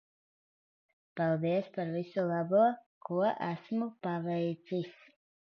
Paldies par visu labo ko esmu paveicis.